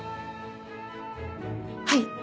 はい！